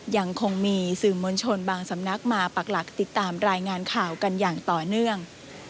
ยังคงมีสื่อมวลชนบางสำนักมาปักหลักติดตามรายงานข่าวกันอย่างต่อเนื่อง